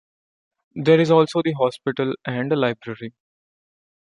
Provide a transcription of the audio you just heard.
There is also the hospital and a library.